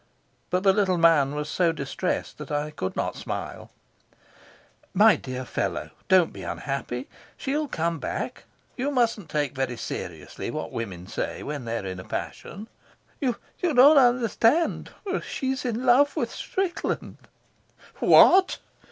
But the little man was so distressed that I could not smile. "My dear fellow, don't be unhappy. She'll come back. You mustn't take very seriously what women say when they're in a passion." "You don't understand. She's in love with Strickland." "What!"